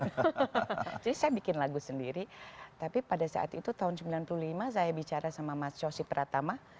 jadi saya bikin lagu sendiri tapi pada saat itu tahun sembilan puluh lima saya bicara sama mas sosipratama